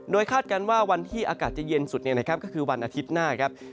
คาดการณ์ว่าวันที่อากาศจะเย็นสุดก็คือวันอาทิตย์หน้าครับ